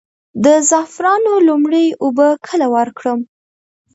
د زعفرانو لومړۍ اوبه کله ورکړم؟